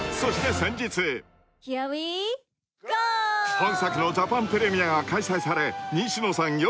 ［本作のジャパンプレミアが開催され西野さんよ